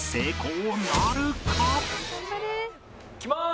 いきます！